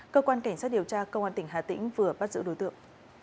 cơ quan cảnh sát điều tra công an tỉnh hà tĩnh vừa bắt giữ đối tượng